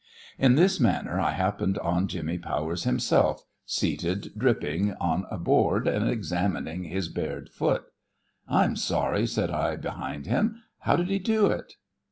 In this manner I happened on Jimmy Powers himself seated dripping on a board and examining his bared foot. "I'm sorry," said I behind him. "How did he do it?"